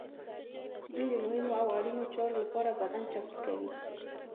دوی د مهمو او اړینو چارو لپاره بدن چمتو کوي.